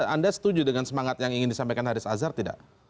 anda setuju dengan semangat yang ingin disampaikan haris azhar tidak